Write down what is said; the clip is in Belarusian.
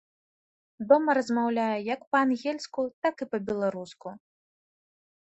Дома размаўляе як па-ангельску, так і па-беларуску.